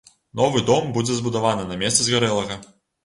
Новы дом будзе збудаваны на месцы згарэлага.